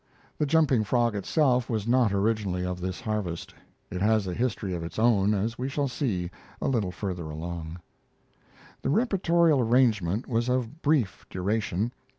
The Jumping Frog itself was not originally of this harvest. It has a history of its own, as we shall see a little further along. The reportorial arrangement was of brief duration.